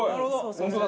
本当だ。